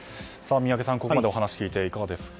宮家さん、ここまでお話を聞いていかがですか？